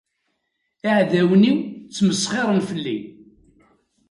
Iɛdawen-iw ttmesxiren fell-i.